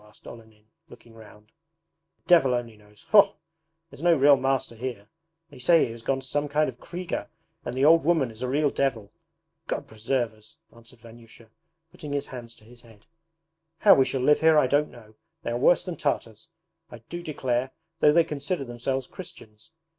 asked Olenin, looking round. 'The devil only knows. Faugh! There is no real master here. They say he has gone to some kind of KRIGA, and the old woman is a real devil. God preserve us!' answered Vanyusha, putting his hands to his head. 'How we shall live here I don't know. They are worse than Tartars, I do declare though they consider themselves Christians!